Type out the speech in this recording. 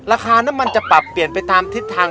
ราคาน้ำมันจะปรับเปลี่ยนไปตามทิศทาง